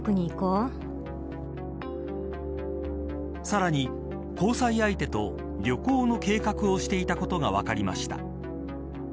さらに交際相手と旅行の計画をしていたことが分かりました。